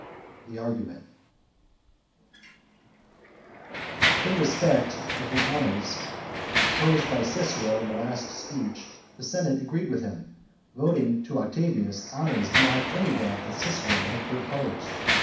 THE ARGUMENT In respect of the honours proposed by Cicero in the last speech the senate agreed with him, voting to Octavius honours beyond any that Cicero had proposed.